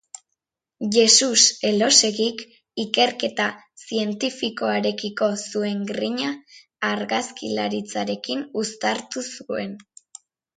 Jesus Elosegik ikerketa zientifikoarekiko zuen grina argazkilaritzarekin uztartu zuen.